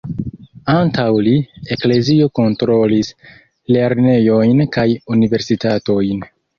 Antaŭ li, Eklezio kontrolis lernejojn kaj Universitatojn.